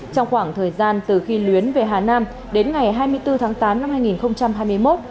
trong khoảng thời gian từ khi luyến về hà nam đến ngày hai mươi bốn tháng tám năm hai nghìn hai mươi một